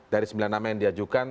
dari sembilan nama yang diajukan